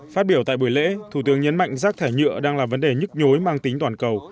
phát biểu tại buổi lễ thủ tướng nhấn mạnh rác thải nhựa đang là vấn đề nhức nhối mang tính toàn cầu